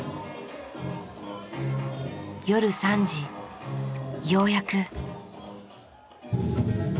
夜３時ようやく。